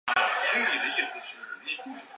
表情都十分严厉